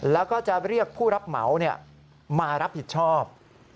แล้วก็จะเรียกผู้รับเหมามารับผิดชอบ